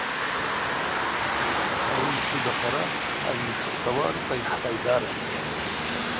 Ауи йсуд ахара ари йшсхӏвауа рыцӏа йхӏфайдарапӏ.